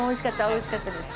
おいしかったです。